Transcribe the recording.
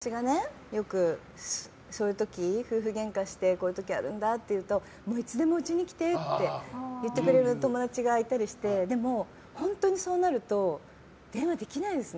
お友達がね、よくそういう時夫婦げんかしてこういう時があるんだっていうといつでもうちに来てって言ってくれる友達がいたりしてでも、本当にそうなると電話できないですね。